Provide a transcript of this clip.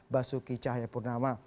basuki cahaya purnama